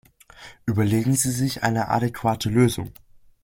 Überlegen Sie sich eine adäquate Lösung!